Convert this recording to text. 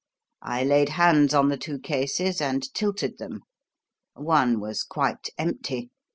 I laid hands on the two cases and tilted them. One was quite empty.